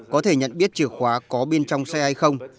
có thể nhận biết chìa khóa có bên trong xe hay không